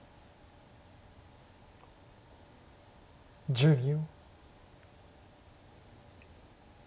１０秒。